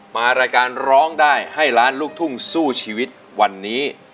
มารายการร้องได้ให้ล้านลูกทุ่งสู้ชีวิตวันนี้